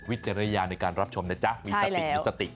วิทยาลัยในการรับชมนะจ๊ะวิสติกวิสติก